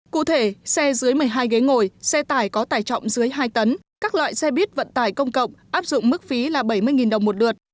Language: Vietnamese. cụ thể xe dưới một mươi hai ghế ngồi xe tải có tải trọng dưới hai tấn các loại xe bít vận tải công cộng áp dụng mức phí là bảy mươi đồng một lượt